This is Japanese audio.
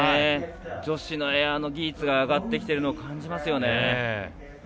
女子のエアの技術が上がってきているのを感じますよね。